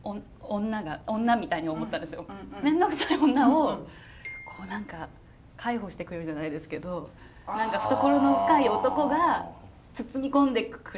面倒くさい女をこう何か介抱してくれるじゃないですけど懐の深い男が包み込んでくれてるみたいな。